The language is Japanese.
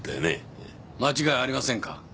間違いありませんか？